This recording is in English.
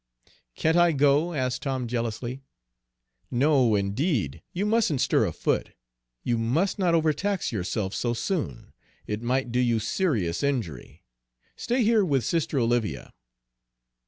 "Can't I go?" asked Tom jealously. "No, indeed, you mustn't stir a foot! You must not overtax yourself so soon; it might do you serious injury. Stay here with sister Olivia."